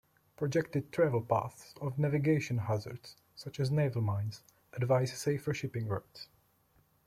Projected travel paths of navigation hazards, such as naval mines, advise safer shipping routes.